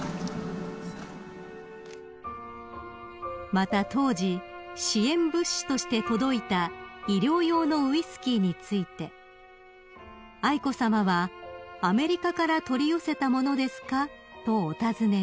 ［また当時支援物資として届いた医療用のウイスキーについて愛子さまは「アメリカから取り寄せた物ですか？」とお尋ねに］